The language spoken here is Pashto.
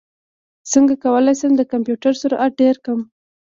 څنګه کولی شم د کمپیوټر سرعت ډېر کړم